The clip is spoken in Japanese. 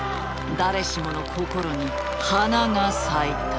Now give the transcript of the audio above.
誰しもの心に華が咲いた。